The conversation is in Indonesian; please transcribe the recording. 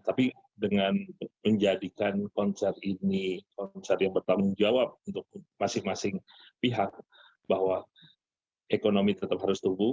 tapi dengan menjadikan konser ini konser yang bertanggung jawab untuk masing masing pihak bahwa ekonomi tetap harus tumbuh